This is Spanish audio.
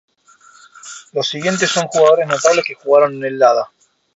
Los siguientes son jugadores notables que jugaron en el Lada.